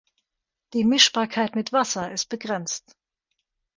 Die Mischbarkeit mit Wasser ist begrenzt.